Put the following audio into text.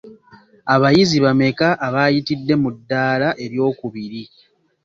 Abayizi bameka abaayitidde mu ddaala eryokubiri?